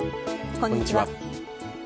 こんにちは。